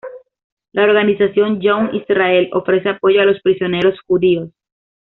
La organización "Young Israel" ofrece apoyo a los prisioneros judíos.